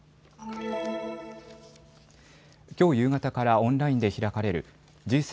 きょう夕方からオンラインで開かれるＧ７・